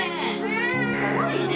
すごいね！